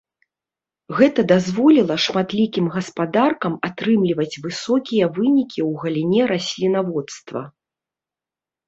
Гэта дазволіла шматлікім гаспадаркам атрымліваць высокія вынікі ў галіне раслінаводства.